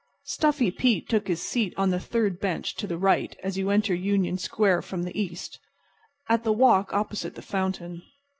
Stuffy Pete took his seat on the third bench to the right as you enter Union Square from the east, at the walk opposite the fountain.